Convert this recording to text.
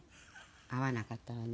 会わなかったわね。